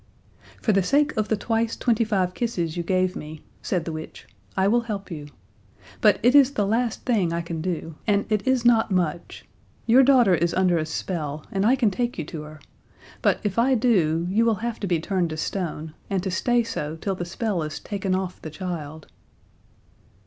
"For the sake of the twice twenty five kisses you gave me," said the witch, "I will help you. But it is the last thing I can do, and it is not much. Your daughter is under a spell, and I can take you to her. But, if I do, you will have to be turned to stone, and to stay so till the spell is taken off the child."